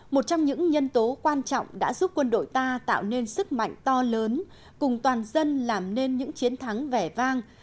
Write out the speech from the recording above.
một trong những nhân tố quan trọng đã giúp quân đội ta tạo nên sức mạnh to lớn cùng toàn dân làm nên những chiến thắng vẻ vang